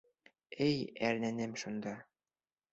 Эй, әрненем шунда!